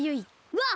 わっ！